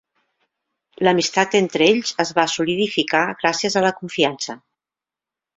L'amistat entre ells es va solidificar gràcies a la confiança.